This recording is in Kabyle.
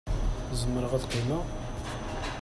Zemreɣ ad qqimeɣ?